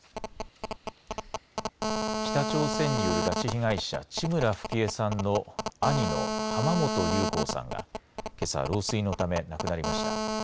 北朝鮮による拉致被害者、地村富貴恵さんの兄の浜本雄幸さんが、けさ、老衰のため亡くなりました。